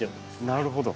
なるほど。